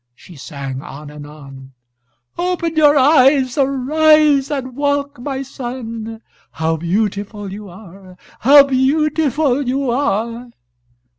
She sang on and on: "Open your eyes, arise and walk, my son! How beautiful you are! How beautiful you are!"